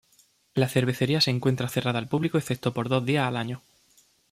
La cervecería se encuentra cerrada al público excepto por dos días al año.